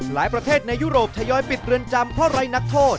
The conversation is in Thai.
หลายประเทศในยุโรปทยอยปิดเรือนจำเพราะไรนักโทษ